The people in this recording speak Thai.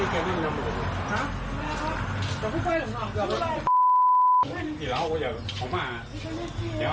จะเซ็นแล้ว